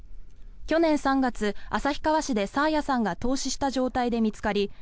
去年３月、旭川市で爽彩さんが凍死した状態で見つかり